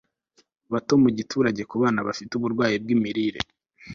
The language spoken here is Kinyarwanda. bato mu giturage ku bana bafite uburwayi bw'imirire